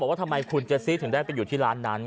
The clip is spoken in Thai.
ก็บอกว่าทำไมคุณเจ้าซี่ถึงก็อยู่ที่ร้านนั้น